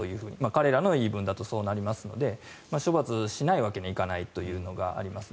彼らの言い分だとそうなりますので処罰しないわけにはいかないというのがあります。